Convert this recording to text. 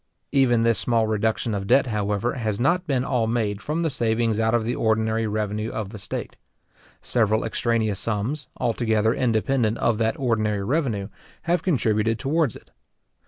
Even this small reduction of debt, however, has not been all made from the savings out of the ordinary revenue of the state. Several extraneous sums, altogether independent of that ordinary revenue, have contributed towards it.